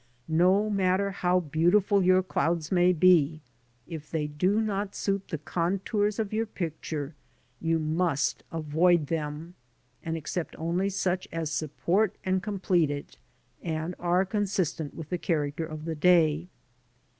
No matter how beautiful your clouds may be, if they do not suit the contours of your picture you must avoid them, and accept only such as support and complete it, and are consistent with the character of the day.